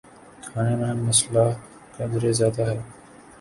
کھانے میں مصالحہ قدرے زیادہ ہے